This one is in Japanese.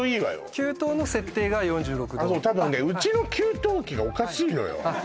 給湯の設定が４６℃あっそう多分ねうちの給湯器がおかしいのよ